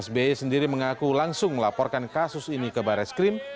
sbi sendiri mengaku langsung melaporkan kasus ini ke baris krim